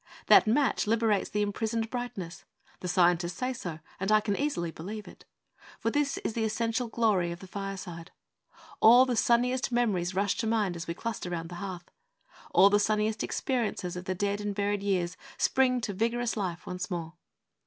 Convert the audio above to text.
That match liberates the imprisoned brightness. The scientists say so, and I can easily believe it. For this is the essential glory of the fireside. All the sunniest memories rush to mind as we cluster round the hearth. All the sunniest experiences of the dead and buried years spring to vigorous life once more.